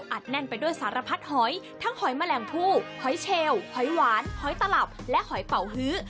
แน่นไปด้วยสารพัดหอยทั้งหอยแมลงผู้หอยเชลหอยหวานหอยตลับและหอยเป่าฮื้อ